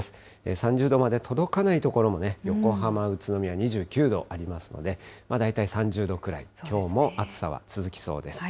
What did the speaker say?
３０度まで届かない所も、横浜、宇都宮、２９度ありますので、大体３０度ぐらい、きょうも暑さは続きそうです。